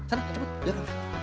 sana cepet jalan